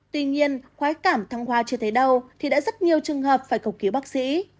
tuy nhiên quá cảm thăng hoa chưa thấy đâu thì đã rất nhiều trường hợp phải cầu cứu bác sĩ